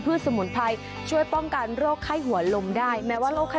สมุนไพรช่วยป้องกันโรคไข้หัวลมได้แม้ว่าโรคไข้